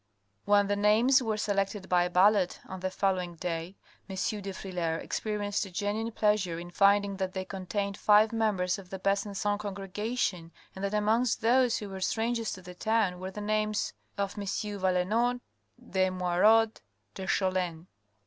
When the names were selected by ballot on the following day, M. de Frilair experienced a genuine pleasure in finding that they contained five members of the Besancon congregation and that amongst those who were strangers to the town were the names of MM. Valenod, de Moirod, de Cholin.